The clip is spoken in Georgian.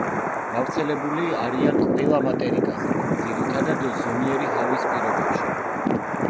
გავრცელებული არიან ყველა მატერიკაზე, ძირითადად ზომიერი ჰავის პირობებში.